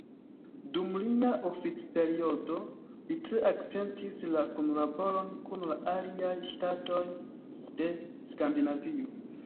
Dum lia oficperiodo li tre akcentis la kunlaboron kun la aliaj ŝtatoj de Skandinavio.